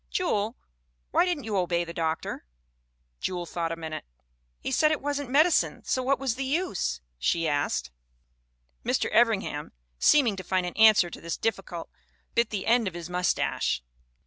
" 'Jewel, why didn't you obey the doctor?' ... "Jewel thought a minute. " 'He said it wasn't medicine, so what was the use?' she asked. "Mr. Evringham, seeming to find an answer to this difficult, bit the end of his mustache."